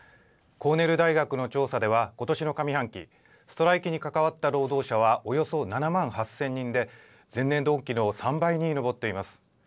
コーネル大学の調査では今年の上半期ストライキに関わった労働者はおよそ７万８０００人で前年同期の３倍に上っています。